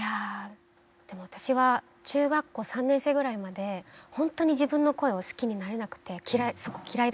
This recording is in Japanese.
でも私は中学校３年生ぐらいまでほんとに自分の声を好きになれなくて嫌い